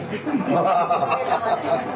アハハハッ！